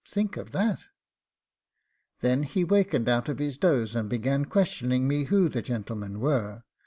Think of that.' Then he wakened out of his doze, and began questioning me who the gentlemen were.